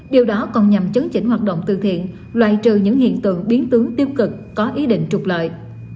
điều đó còn nhằm chấn chỉnh hoạt động từ thiện loại trừ những hiện tượng biến tướng tiêu cực có ý định trục lợi